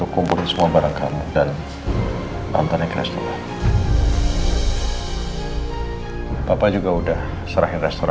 kisah yang terakhir